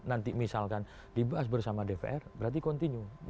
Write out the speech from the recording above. nanti misalkan dibahas bersama dpr berarti continue